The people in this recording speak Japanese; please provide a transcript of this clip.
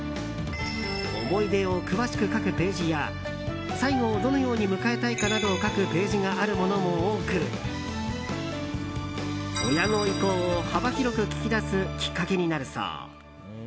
思い出を詳しく書くページや最期をどのように迎えたいかなどを書くページがあるものも多く親の意向を幅広く聞き出すきっかけになるそう。